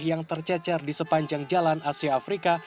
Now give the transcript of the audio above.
yang tercecer di sepanjang jalan asia afrika